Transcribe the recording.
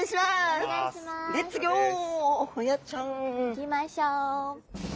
行きましょう。